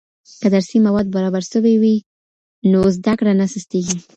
که درسي مواد برابر سوي وي نو زده کړه نه سستيږي.